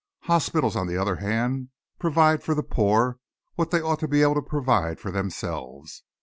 Hospitals, on the other hand, provide for the poor what they ought to be able to provide for themselves.